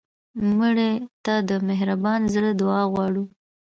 مړه ته د مهربان زړه دعا غواړو